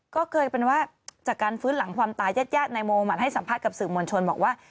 ก็เคยเป็นว่าจากการฟื้นหลังความตายแยดในโมงมันให้สัมภัยกับสื่อมวลชนบอกว่า